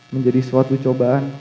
menjadi suatu cobaan